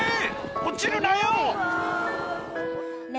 落ちるなよ！